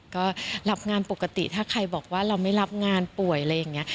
ก็รับงานปกติถ้าใครบอกว่าเราไม่รับงานป่วยอะไรอย่างนี้